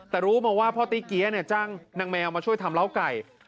แต่รู้มาว่าพ่อตีเกี๊ยจ้างนางแมวมาช่วยทำเล้าไก่